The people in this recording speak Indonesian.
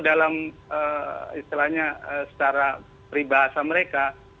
dalam istilahnya secara peribahasa mereka